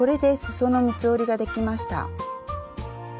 その三つ折りができました。